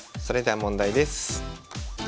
それでは問題です。